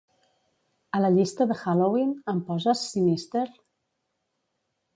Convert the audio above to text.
A la llista de Halloween, em poses "Sinister"?